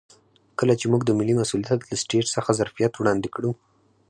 کله چې موږ د ملي مسوولیت له سټیج څخه ظرفیت وړاندې کړو.